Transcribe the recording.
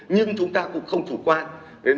nhưng chúng ta cũng không chủ quan